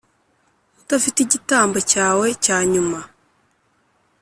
udafite igitambo cyawe cyanyuma.